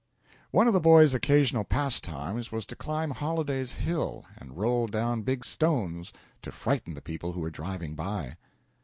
One of the boys' occasional pastimes was to climb Holliday's Hill and roll down big stones, to frighten the people who were driving by.